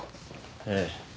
ええ。